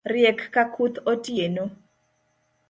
Riek ka kuth otieno